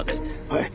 はい。